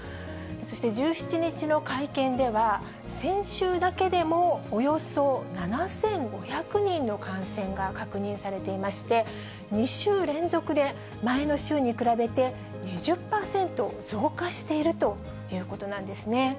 そして１７日の会見では、先週だけでもおよそ７５００人の感染が確認されていまして、２週連続で、前の週に比べて２０％増加しているということなんですね。